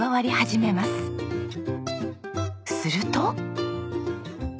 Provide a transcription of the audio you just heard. すると。